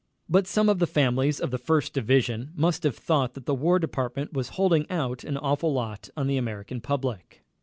But some of the families of the First Division must have thought that the War Department was holding out an awful lot on the American public.